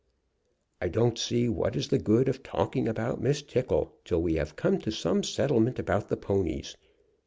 "I don't see what is the good of talking about Miss Tickle till we have come to some settlement about the ponies.